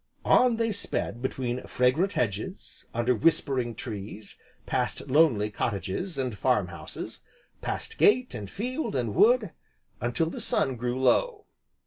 On they sped between fragrant hedges, under whispering trees, past lonely cottages and farm houses, past gate, and field, and wood, until the sun grew low.